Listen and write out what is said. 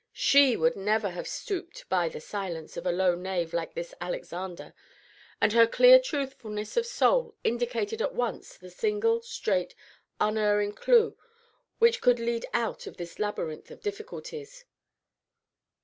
She would never have stooped to buy the silence of a low knave like this Alexander; and her clear truthfulness of soul indicated at once the single, straight, unerring clew which could lead out of this labyrinth of difficulties.